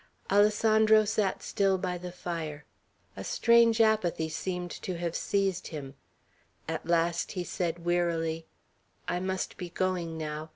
Alessandro sat still by the fire. A strange apathy seemed to have seized him; at last he said wearily: "I must be going now.